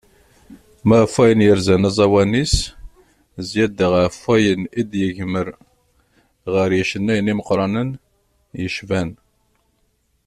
Ma ɣef wayen yerzan aẓawan-is, zyada ɣef wayen i d-yegmer ɣer yicennayen imeqqranen, yecban.